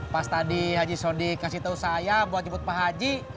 pas tadi haji sodi kasih tau saya buat jemput pak aji